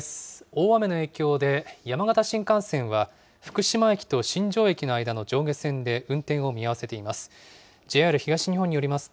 大雨の影響で、山形新幹線は、福島駅と新庄駅の間の上下線で運転を見合わせています。